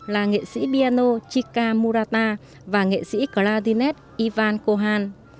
là nghệ sĩ piano chika murata và nghệ sĩ carrerinet ivan kohan